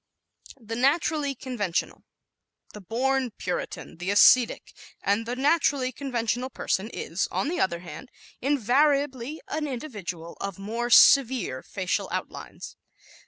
The Naturally Conventional ¶ The "born Puritan," the ascetic, and the naturally conventional person is, on the other hand, invariably an individual of more severe facial outlines.